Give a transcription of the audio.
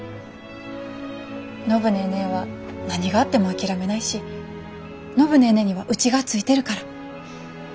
暢ネーネーは何があっても諦めないし暢ネーネーにはうちがついてるから。